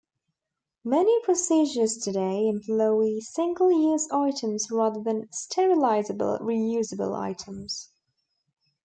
Many procedures today employ single-use items rather than sterilizable, reusable items.